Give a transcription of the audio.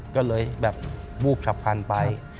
ก็เลยแบบวูบฉับพันธุ์ไป